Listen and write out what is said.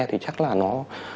thì chắc là nó